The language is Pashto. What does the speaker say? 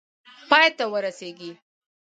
پای ته ورسیږي.